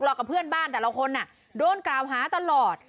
กับเพื่อนบ้านแต่ละคนโดนกล่าวหาตลอด